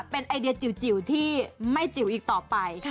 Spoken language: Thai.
เป็นไอเดียจิ๋วที่ไม่จิ๋วอีกต่อไป